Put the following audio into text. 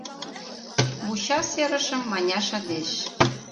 Вуча серышым Маняша деч.